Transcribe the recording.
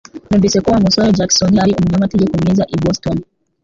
Numvise ko Wa musore Jackson ari umunyamategeko mwiza i Boston